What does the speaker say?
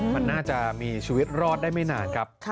มันน่าจะมีชีวิตรอดได้ไม่นานครับ